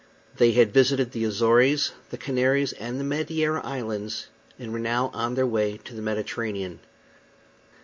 They had visited the Azores, the Canaries, and the Madeira Islands, and were now on their way to the Mediterranean.